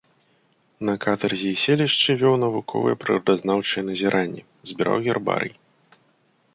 На катарзе і селішчы вёў навуковыя прыродазнаўчыя назіранні, збіраў гербарый.